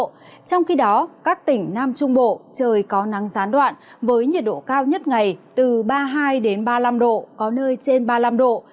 trong khi đó các tỉnh nam trung bộ trời có nắng gián đoạn với nhiệt độ cao nhất ngày từ ba mươi hai ba mươi năm độ có nơi trên ba mươi năm độ